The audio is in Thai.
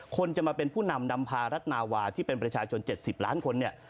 คนจะมาเป็นผู้นำนำพารัฐนาวาที่เป็นประชาชน๗๐ล้านคนเนี่ย